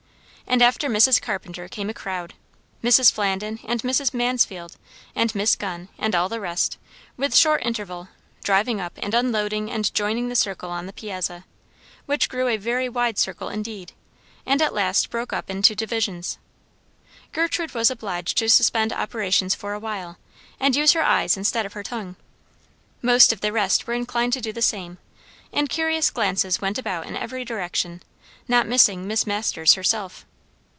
And after Mrs. Carpenter came a crowd; Mrs. Flandin, and Mrs. Mansfield, and Miss Gunn, and all the rest, with short interval, driving up and unloading and joining the circle on the piazza; which grew a very wide circle indeed, and at last broke up into divisions. Gertrude was obliged to suspend operations for a while, and use her eyes instead of her tongue. Most of the rest were inclined to do the same; and curious glances went about in every direction, not missing Miss Masters herself.